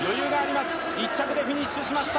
１着でフィニッシュしました。